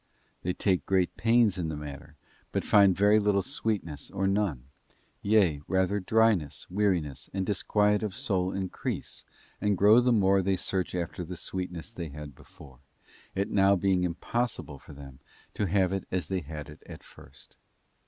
They take great pains in the matter, but find very little sweetness or none—yea, rather dryness, weariness, and disquiet of soul increase and grow the more they search after the sweetness they had before—it being now impossible for _ them to have it as they had it at first.